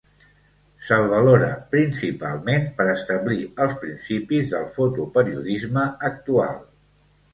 Se'l valora, principalment, per establir els principis del fotoperiodisme actual.